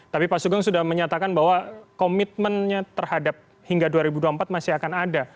tapi pak sugeng sudah menyatakan bahwa komitmennya terhadap hingga dua ribu dua puluh empat masih akan ada